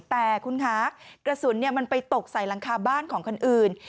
แต่กระสุนไปตกใส่รังคาบ้านของคนอื่น